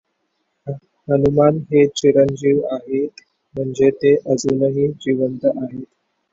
हनुमान हे चिरंजीव आहेत म्हणजे ते अजूनही जिवंत आहेत.